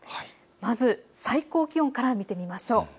まず、最高気温から見てみましょう。